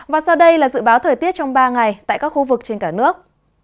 và sau đây là dự báo thời tiết trong ba ngày tại các khu vực trên cả nước